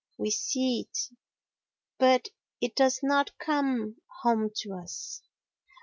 We see it, but it does not come home to us.